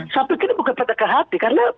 saya pikir ini bukan pendekatan hati karena